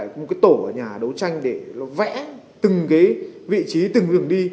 một tổ ở nhà đấu tranh để vẽ từng vị trí từng đường đi